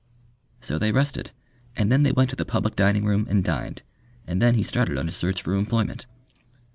So they rested, and then they went to the public dining room and dined, and then he started on his search for employment.